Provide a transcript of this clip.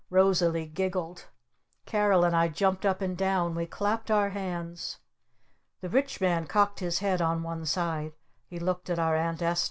Rosalee giggled! Carol and I jumped up and down! We clapped our hands! The Rich Man cocked his head on one side. He looked at our Aunt Esta.